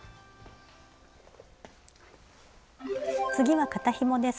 次は肩ひもです。